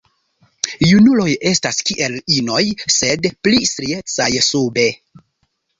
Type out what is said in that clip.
Junuloj estas kiel inoj, sed pli striecaj sube.